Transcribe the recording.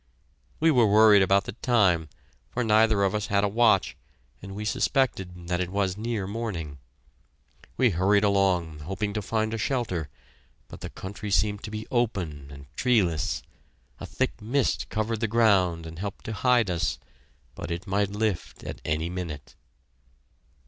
We were worried about the time, for neither of us had a watch, and we suspected that it was near morning. We hurried along, hoping to find a shelter, but the country seemed to be open and treeless. A thick mist covered the ground and helped to hide us, but it might lift at any minute.